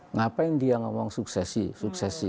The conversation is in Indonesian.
ngapain dia ngomong suksesi suksesi